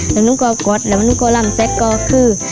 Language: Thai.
แล้วนุ้งก็กดแล้วนุ้งก็ลำแซกก็คือ